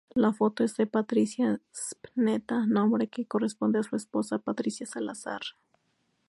La foto es de "Patricia Spinetta", nombre que corresponde a su esposa Patricia Salazar.